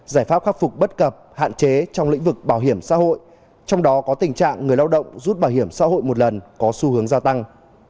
giải pháp khắc phục bất cập hạn chế trong lĩnh vực bảo hiểm xã hội trong đó có tình trạng người lao động rút bảo hiểm xã hội một lần có xu hướng gia tăng